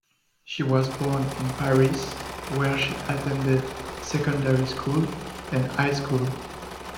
She was born in Paris, where she attended secondary school and high school.